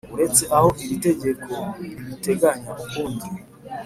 Uretse aho iri tegeko ribiteganya ukundi